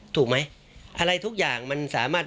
ถูกไหมอะไรทุกอย่างมันสามารถ